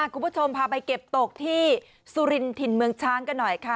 คุณผู้ชมพาไปเก็บตกที่สุรินถิ่นเมืองช้างกันหน่อยค่ะ